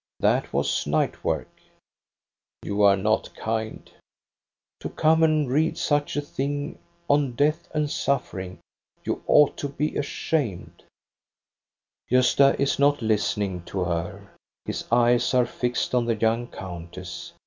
That was night work." 234 THE STORY OF GOSTA BERLING " You are not kind " "To come and read such a thing, on death and suffering — you ought to be ashamed !'* Gosta is not listening to her. His eyes are fixed on the young countess.